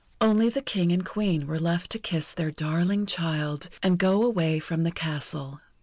Only the King and Queen were left to kiss their darling child, and go away from the castle.